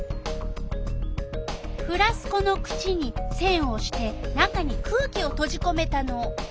フラスコの口にせんをして中に空気をとじこめたの。